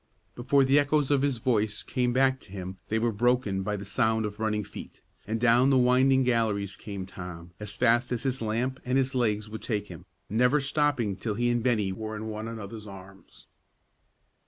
Before the echoes of his voice came back to him they were broken by the sound of running feet, and down the winding galleries came Tom, as fast as his lamp and his legs would take him, never stopping till he and Bennie were in one another's arms.